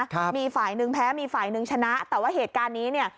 ครับมีฝ่ายหนึ่งแพ้มีฝ่ายหนึ่งชนะแต่ว่าเหตุการณ์นี้เนี่ย